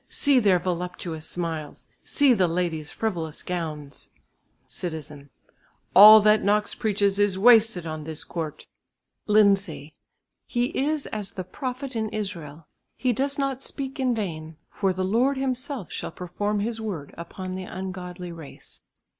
See their voluptuous smiles; see the ladies' frivolous gowns." Citizen. "All that Knox preaches is wasted on this court." Lindsay. "He is as the prophet in Israel, he does not speak in vain; for the Lord Himself shall perform His word upon the ungodly race."